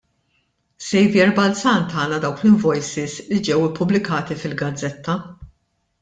Saviour Balzan tana dawk l-invoices li ġew ippubblikati fil-gazzetta.